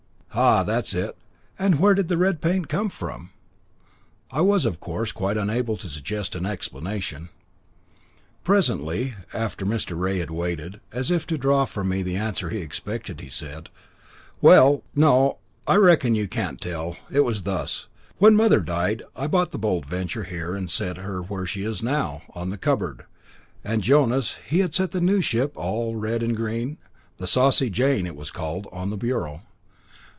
"Ah! that's it, and where did the red paint come from?" I was, of course, quite unable to suggest an explanation. Presently, after Mr. Rea had waited as if to draw from me the answer he expected he said: "Well, no, I reckon you can't tell. It was thus. When mother died, I brought the Bold Venture here and set her where she is now, on the cupboard, and Jonas, he had set the new ship, all red and green, the Saucy Jane it was called, on the bureau.